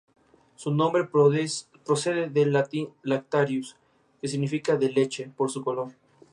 Este "acto de traición" le valió no volver a ser invitada al festival wagneriano.